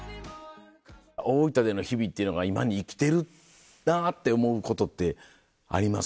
大分での日々っていうのが今に生きてるなって思うことってありますか？